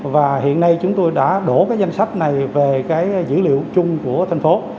và hiện nay chúng tôi đã đổ danh sách này về dữ liệu chung của thành phố